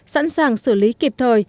sẵn sàng xử lý kịp thời